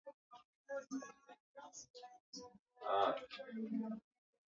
chukua na Chambua yako ya viazi lishe